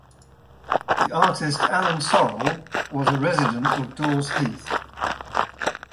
The artist Alan Sorrell was a resident of Daws Heath.